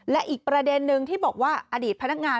และอีกประเด็นนึงที่บอกว่าอดีตพนักงาน